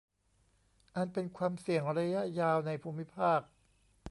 อันเป็นความเสี่ยงระยะยาวในภูมิภาค